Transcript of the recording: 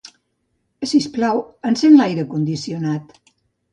Sisplau, encén l'aire condicionat.